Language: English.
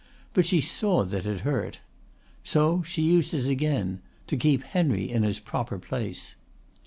But she saw that it hurt. So she used it again to keep Henry in his proper place.